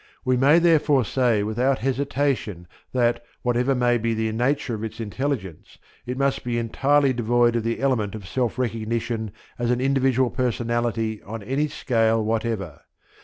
We may therefore say without hesitation that, whatever may be the nature of its intelligence, it must be entirely devoid of the element of self recognition as an individual personality on any scale whatever.